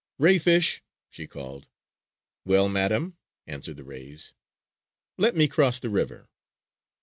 "Ray fish!" she called. "Well, madam?" answered the rays. "Let me cross the river!"